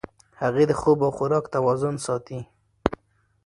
هغې د خوب او خوراک توازن ساتي.